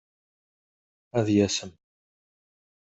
Ad yasem.